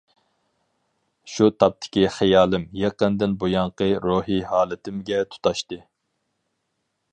شۇ تاپتىكى خىيالىم يېقىندىن بۇيانقى روھىي ھالىتىمگە تۇتاشتى.